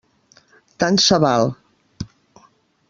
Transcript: Tant se val.